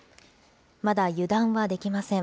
まだ油断はできません。